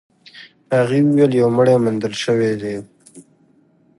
هغې وويل يو مړی موندل شوی دی.